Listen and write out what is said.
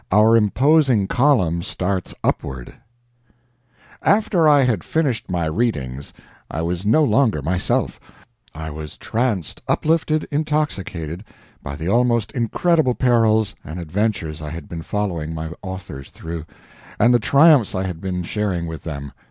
CHAPTER XXXVII [Our Imposing Column Starts Upward] After I had finished my readings, I was no longer myself; I was tranced, uplifted, intoxicated, by the almost incredible perils and adventures I had been following my authors through, and the triumphs I had been sharing with them.